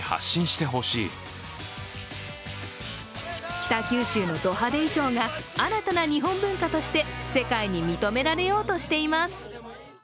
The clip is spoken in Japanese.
北九州のド派手衣装が新たな日本文化として世界に認められようとしています。